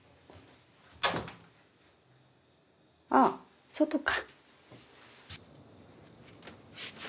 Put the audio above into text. あぁ外か。